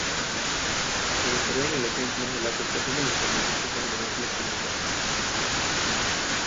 Como se ve en el ejemplo, la ocultación de información supone mayor flexibilidad.